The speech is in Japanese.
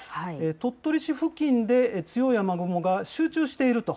鳥取市付近で強い雨雲が集中していると。